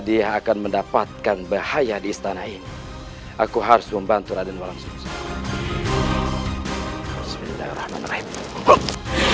dia akan mendapatkan bahaya di istana ini aku harus membantu raden berlangsung